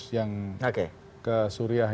yang ke suriah